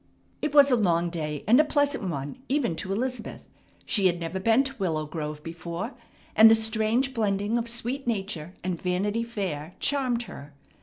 It was a long day and a pleasant one even to Elizabeth. She had never been to Willow Grove before, and the strange blending of sweet nature and Vanity Fair charmed her.